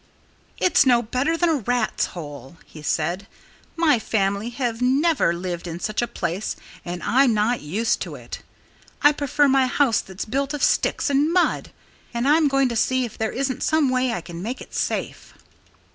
"It's no better than a rat's hole," he said. "My family have never lived in such a place and I'm not used to it. I prefer my house that's built of sticks and mud. And I'm going to see if there isn't some way I can make it safe."